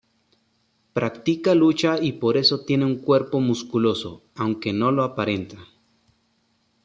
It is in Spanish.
Practica lucha y por eso tiene un cuerpo musculoso, aunque no lo aparenta.